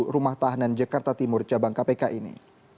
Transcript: rumah tahanan jakarta timur cabang kpk ini